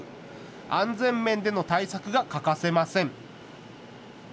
安全面での対策が欠かせません。